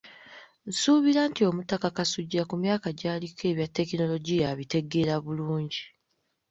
Nsuubira nti Omutaka Kasujja ku myaka gy'aliko ebya tekinologiya abitegeera bulungi.